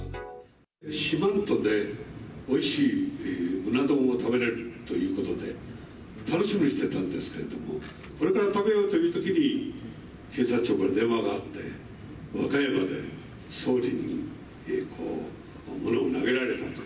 四万十でおいしいうな丼を食べられるということで、楽しみにしてたんですけれども、これから食べようというときに、警察庁から電話があって、和歌山で総理にこう物を投げられたと。